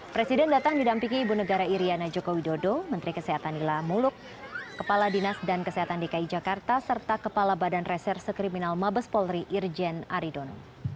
presiden datang didampingi ibu negara iryana joko widodo menteri kesehatan nila muluk kepala dinas dan kesehatan dki jakarta serta kepala badan reserse kriminal mabes polri irjen aridono